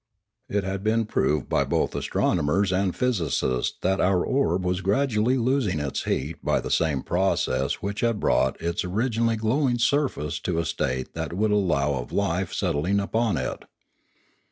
It had been proved by both astronotners and physicists that 466 Limanora our orb was gradually losing its heat by the same pro cess which had brought its originally glowing surface to a state that would allow of life settling upon it.